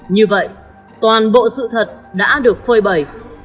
như vậy toàn bộ sự thật đã được phơi bầy